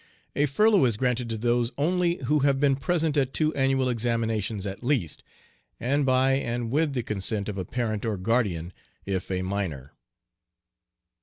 A furlough is granted to those only who have been present at two annual examinations at least, and by and with the consent of a parent or guardian if a minor.